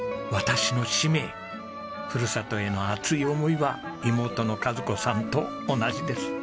ふるさとへの熱い思いは妹の和子さんと同じです。